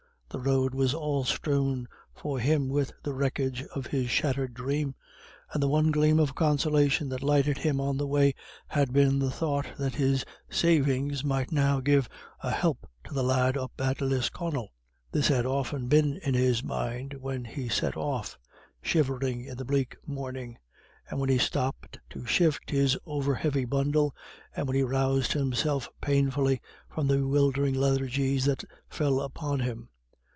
The road was all strewn for him with the wreckage of his shattered dream, and the one gleam of consolation that lighted him on the way had been the thought that his savings might now give a help to the lad up at Lisconnel. This had often been in his mind when he set off, shivering in the bleak morning, and when he stopped to shift his over heavy bundle, and when he roused himself painfully from the bewildering lethargies that fell upon him.